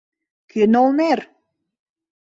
Кӧ нолнер?!